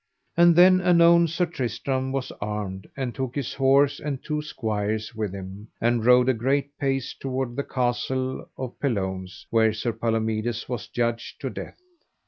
And then anon Sir Tristram was armed and took his horse and two squires with him, and rode a great pace toward the castle of Pelownes where Sir Palomides was judged to death.